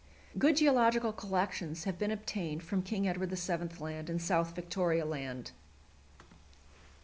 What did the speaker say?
Good geological collections have been obtained from King Edward VII. Land and South Victoria Land.